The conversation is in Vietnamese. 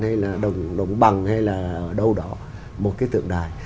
hay là đồng bằng hay là ở đâu đó một cái tượng đài